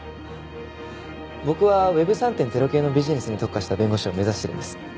僕はＷｅｂ３．０系のビジネスに特化した弁護士を目指してるんです。